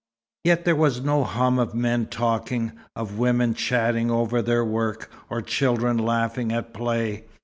Yet there was no hum of men talking, of women chatting over their work, or children laughing at play.